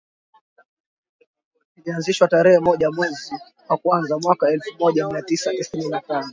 Lilianzishwa tarehe moja mwezi wa kwanza mwaka elfu moja mia tisa tisini na tano